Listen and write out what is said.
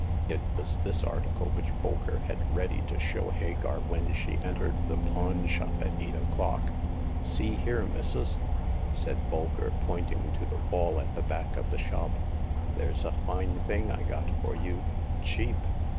It was this article which Bolker had ready to show Hagar when she entered the pawn shop at eight o'clock. See here, missus !" said Bolker, pointing to the wall at the back of the shop ;" there's a fine thing I got for you — cheap